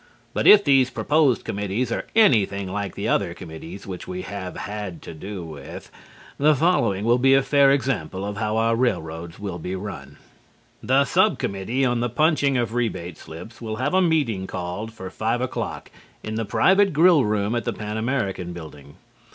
But if these proposed committees are anything like other committees which we have had to do with, the following will be a fair example of how our railroads will be run. The sub committee on the Punching of Rebate Slips will have a meeting called for five o'clock in the private grill room at the Pan American Building.